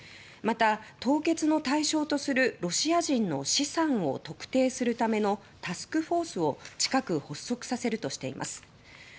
また資産凍結の対象とするロシア人の資産を特定するためのタスクフォースを近く発足させるとしています。